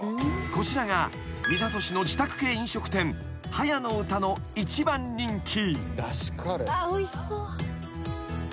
［こちらが三郷市の自宅系飲食店捷の詩の一番人気］